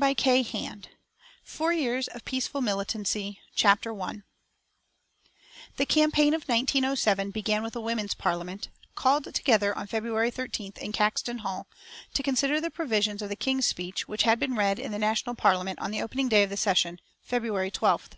BOOK II FOUR YEARS OF PEACEFUL MILITANCY CHAPTER I The campaign of 1907 began with a Women's Parliament, called together on February 13th in Caxton Hall, to consider the provisions of the King's speech, which had been read in the national Parliament on the opening day of the session, February 12th.